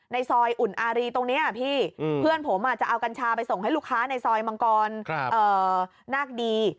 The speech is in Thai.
ในซอยอุ่นอารีตรงนี้พี่เพื่อนผมจะเอากัญชาไปส่งให้ลูกค้าในซอยมังกรนาคดี